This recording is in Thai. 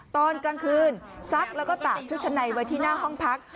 ตอนกลางคืนซักแล้วก็ตากชุดชั้นในไว้ที่หน้าห้องพัก